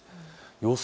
予想